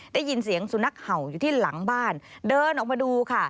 ได้ยินเสียงสุนัขเห่าอยู่ที่หลังบ้านเดินออกมาดูค่ะ